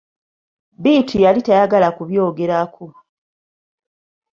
Bittu yali tayagala kubyogerako.